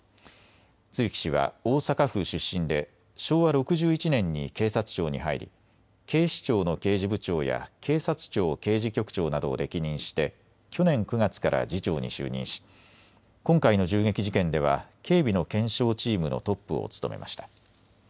露木氏は大阪府出身で昭和６１年に警察庁に入り警視庁の刑事部長や警察庁刑事局長などを歴任して去年９月から次長に就任し今回の銃撃事件では警備の検証チームのトップを務めました。